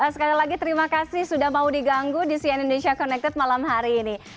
sekali lagi terima kasih sudah mau diganggu di sian indonesia connected malam hari ini